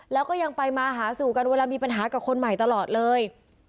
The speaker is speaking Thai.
แล้วก็ยังไปมาหาสู่กันเวลามีปัญหากับคนใหม่ตลอดเลย